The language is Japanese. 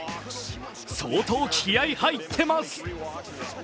相当、気合い入っています！